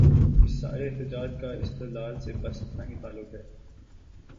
اس سارے احتجاج کا استدلال سے بس اتنا ہی تعلق ہے۔